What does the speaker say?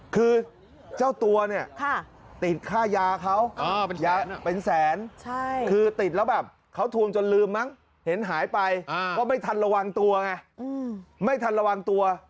คือเจ้าตัวเนี่ยติดฆ่ายาเขาเป็นแสนคือติดแล้วแบบเขาทวงจนลืมมั้ง